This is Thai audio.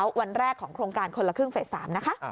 วันแรกของโครงการคนละครึ่งเฟส๓นะคะ